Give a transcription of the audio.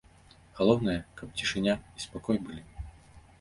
Галоўнае, каб цішыня і спакой былі.